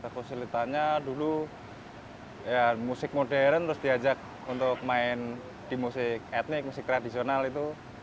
kesulitannya dulu ya musik modern terus diajak untuk main di musik etnik musik tradisional itu